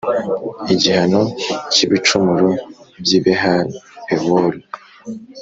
Igihano cy’ibicumuro by’i Behali‐Pewori